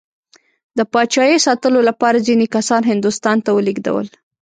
د پاچایۍ ساتلو لپاره ځینې کسان هندوستان ته ولېږدول.